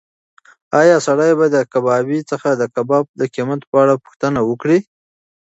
ایا سړی به د کبابي څخه د کباب د قیمت په اړه پوښتنه وکړي؟